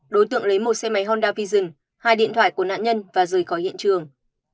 đối tượng lấy một xe máy honda vision hai điện thoại của nạn nhân và rời khỏi hiện trường